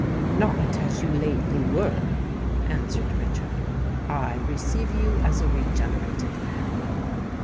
"Not as you lately were," answered Richard: "I receive you as a regenerated man."